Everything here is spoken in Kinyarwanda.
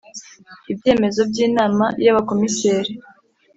ibyemezo by Inama y Abakomiseri